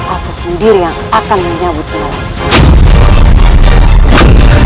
aku sendiri yang akan menyambutmu